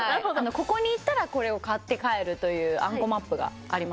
ここに行ったらこれを買って帰るというあんこマップがありま